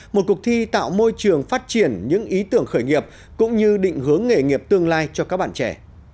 một cuộc thi tạo môi trường phát triển những ý tưởng khởi nghiệp cũng như định hướng nghề nghiệp tương lai cho các bạn trẻ